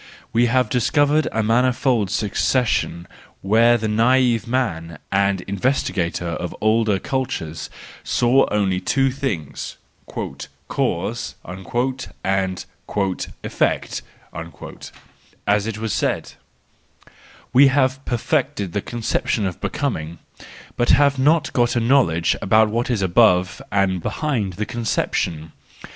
We have discovered a manifold succession where the naive man and 1 58 THE JOYFUL WISDOM, III investigator of older cultures saw only two things, " cause " and " effect," as it was said ; we have per¬ fected the conception of becoming, but have not got a knowledge of what is above and behind the conception.